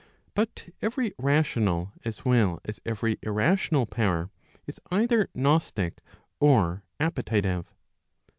But every rational as well as every irrational power, is either gnostic or appetitive.